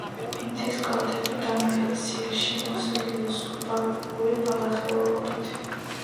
მთის კალთები დამრეცია, შემოსილია სუბალპური ბალახეულობით.